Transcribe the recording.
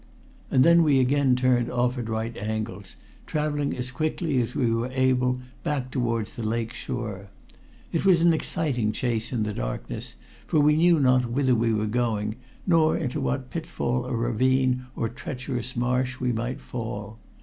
And then we again turned off at right angles, traveling as quickly as we were able back towards the lake shore. It was an exciting chase in the darkness, for we knew not whither we were going, nor into what pitfall or ravine or treacherous marsh we might fall.